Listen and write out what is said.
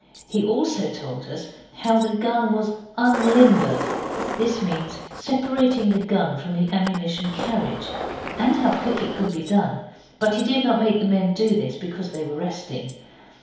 He also told us how the gun was unlimbered (this means separating the gun from the ammunition carriage), and how quick it could be done but he did not make the men do this then, because they were resting.